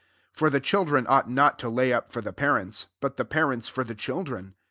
For the children ought not to lay up for the parents, but the parents for the children.